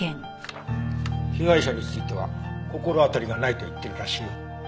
被害者については心当たりがないと言ってるらしいよ。